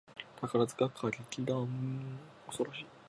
宝塚歌劇団